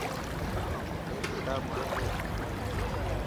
اي ڪتاب ماهنگو هي.